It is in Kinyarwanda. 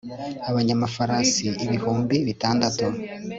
abanyamafarasi ibihumbi bitandatu